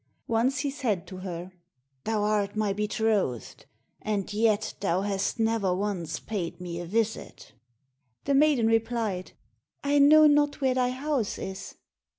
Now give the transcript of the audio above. Once he said to her, "Thou art my betrothed, and yet thou hast never once paid me a visit." The maiden replied, "I know not where thy house is."